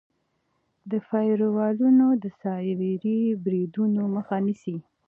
فایروالونه د سایبري بریدونو مخه نیسي.